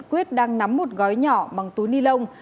quyết đang nắm một gói nhỏ bằng túi ni lông